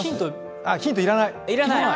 ヒント、要らない。